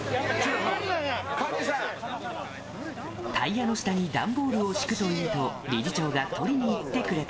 タイヤの下に段ボールを敷くというと、理事長が取りに行ってくれた。